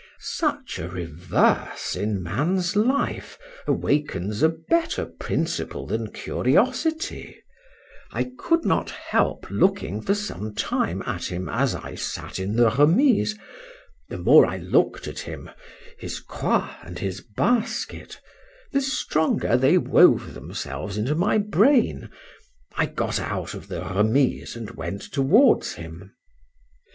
Such a reverse in man's life awakens a better principle than curiosity: I could not help looking for some time at him as I sat in the remise:—the more I look'd at him, his croix, and his basket, the stronger they wove themselves into my brain.—I got out of the remise, and went towards him.